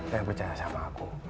dan percaya sama aku